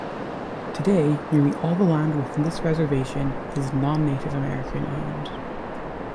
Today, nearly all of the land within this reservation is non-Native American owned.